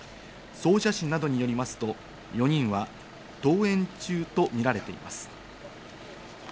総社市などによりますと、４人は登園中とみられています。